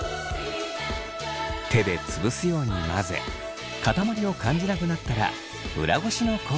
手で潰すように混ぜ塊を感じなくなったら裏ごしの工程へ。